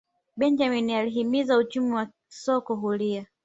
benjamini alihimiza uchumi wa soko huria